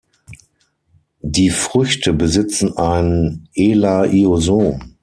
Die Früchte besitzen ein Elaiosom.